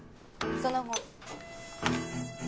その後。